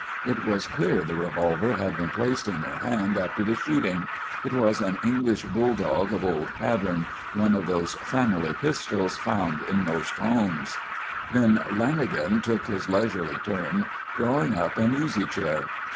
It was clear the revolver had been placed in her hand after the shooting. It was an English bulldog of old pattern, one of those "family" pistols found in most homes. [Illustration: "Then Lanagan took his leisurely turn, drawing up an easy chair."